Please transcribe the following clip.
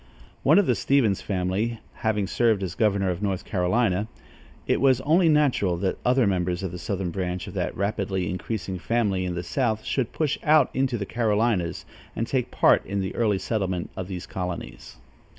One of the Stevens family having served as governor of North Carolinia, it was only natural that other members of the southern branch of that rapidly increasing family in the south should push out into the Carolinias and take part in the early settlement of these colonies.